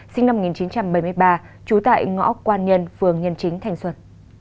sinh năm một nghìn chín trăm bảy mươi ba trú tại ngõ quan nhân phường nhân chính thành xuân